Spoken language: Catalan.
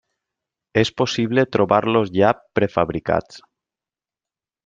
És possible trobar-los ja prefabricats.